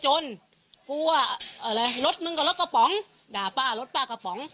กลัวอะไรรถมึงกับรถกระป๋องด่าป้ารถป้ากระป๋อง